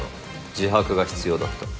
自白が必要だった。